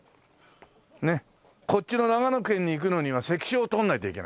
こっちの長野県に行くのには関所を通んないといけない。